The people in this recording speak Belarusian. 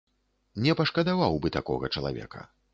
Не пашкадаваў бы такога чалавека.